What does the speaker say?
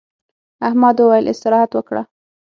احمد وويل: استراحت وکړه.